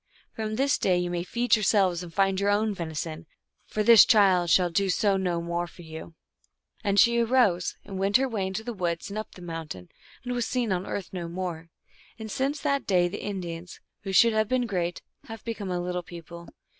From this day ye may feed yourselves and find your own veni son, for this child shall do so no more for you." THUNDER STORIES. 257 And she arose and went her way into the woods and up the mountain, and was seen on earth no more. And since that day the Indians, who should have been great, have become a little people.